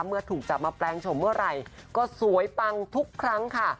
เมื่อถูกจับมาแปลงชมเมื่อไหร่ก็สวยปังทุกครั้งค่ะ